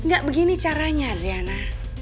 gak begini caranya adriana